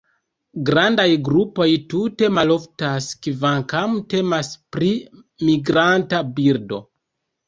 Grandaj grupoj tute maloftas, kvankam temas pri migranta birdo.